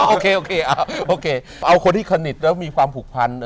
โอเคโอเคเอาคนที่สนิทแล้วมีความผูกพัน